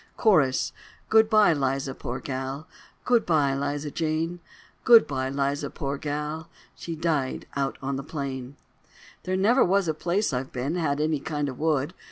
Cho: Goodbye, Liza, poor gal, Goodbye, Liza Jane, Goodbye, Liza, poor gal, She died on the plain. There never was a place I've been Had any kind of wood.